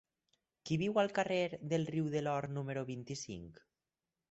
Qui viu al carrer del Riu de l'Or número vint-i-cinc?